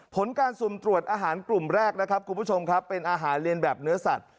ผลการสุ่มตรวจอาหารกลุ่มแรกนะครับคุณผู้ชมครับเป็นอาหารเรียนแบบเนื้อสัตว